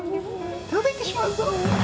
食べてしまうぞ。